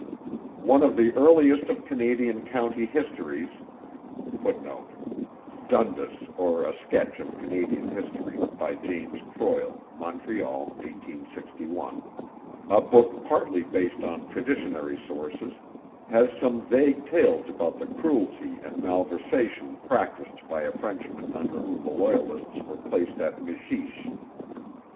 One of the earliest of Canadian county histories, [Footnote: Dundas, or a Sketch of Canadian History, by James Croil, Montreal, 1861.] a book partly based on traditionary sources, has some vague tales about the cruelty and malversation practised by a Frenchman under whom the Loyalists were placed at 'Mishish.'